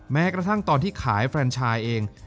แม้กระทั่งตอนที่ขายแฟนชายเอง